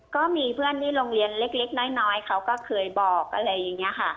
ก็มีเพื่อนที่โรงเรียนเล็กน้อยเขาก็เคยบอกอะไรอย่างนี้ค่ะ